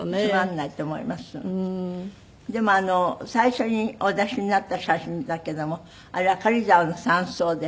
でもあの最初にお出しになった写真だけどもあれは軽井沢の山荘で？